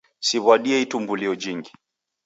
Siw'adie itumbulio jingi.